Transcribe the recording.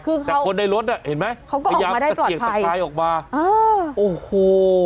คือเขาแต่คนในรถน่ะเห็นไหมเขาก็ออกมาได้ตลอดภัยขยับเศรษฐกลายออกมาอ้าวโอ้โห